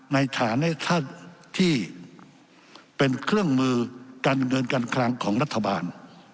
ในฐานะท่านที่เป็นเครื่องมือการเงินการคลังของรัฐบาล